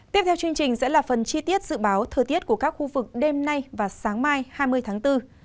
tiếp theo chương trình sẽ là phần chi tiết dự báo thời tiết của các khu vực đêm nay và sáng mai hai mươi tháng bốn